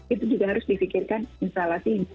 itu juga harus difikirkan instalasi ini